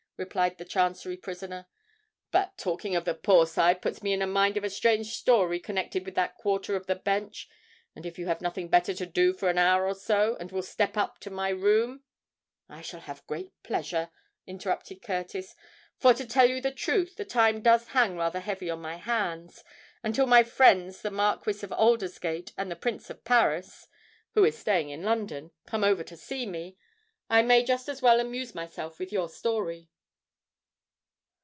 cried the Chancery prisoner. "But, talking of the Poor Side puts me in mind of a strange story connected with that quarter of the Bench; and if you have nothing better to do for an hour or so, and will step up to my room——" "I shall have great pleasure," interrupted Curtis; "for, to tell you the truth, the time does hang rather heavy on my hands;—and till my friends the Marquis of Aldersgate and the Prince of Paris, who is staying in London, come over to see me, I may just as well amuse myself with your story."